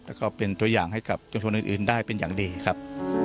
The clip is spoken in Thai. แล้วก็เป็นตัวอย่างให้กับชุมชนอื่นได้เป็นอย่างดีครับ